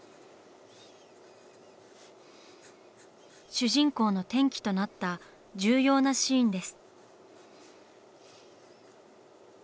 主人公の転機となった重要なシーンです。